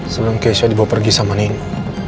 sebelum keisha dibawa pergi sama nengo